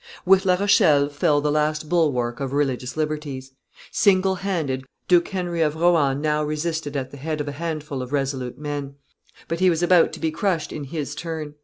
With La Rochelle fell the last bulwark of religious liberties. Single handed, Duke Henry of Rohan now resisted at the head of a handful of resolute men. But he was about to be crushed in his turn.